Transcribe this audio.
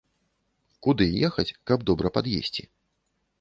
Куды ехаць, каб добра пад'есці?